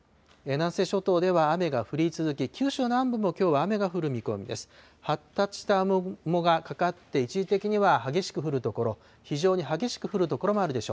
南西諸島では雨が降り続き、九州南部も、きょうは雨が降る見込みです。